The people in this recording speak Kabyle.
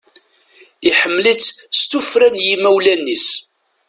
Iḥemmel-itt s tuffra n yimawlan-is.